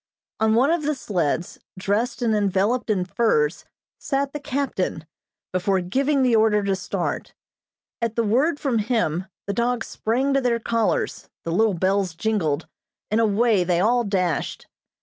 On one of the sleds, dressed and enveloped in furs, sat the captain, before giving the order to start. At the word from him, the dogs sprang to their collars, the little bells jingled, and away they all dashed.